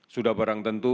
sudah barang tentu